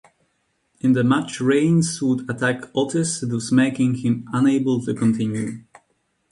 In the match Reigns would attack Otis thus making him unable to continue.